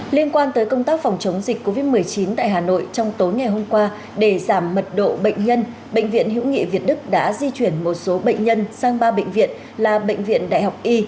liên quan tới công tác phòng chống dịch covid một mươi chín tại hà nội trong tối ngày hôm qua để giảm mật độ bệnh nhân bệnh viện hữu nghị việt đức đã di chuyển một số bệnh nhân sang ba bệnh viện là bệnh viện đại học y